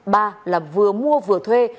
ba là vừa mua vừa thuê